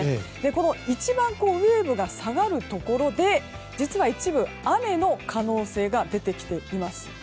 この一番ウェーブが下がるところで実は一部雨の可能性が出てきています。